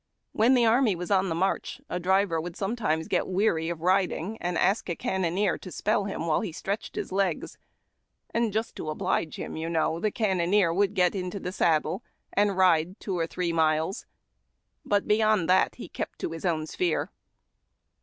When the army w\is on the march, a driver would sometimes get weary of riding and ask a cannoneer to spell him while he stretched his legs ; and just to oblige him, you know, the cannoneer would get into the saddle and ride two or three miles, but beyond that he kept to his own s})here.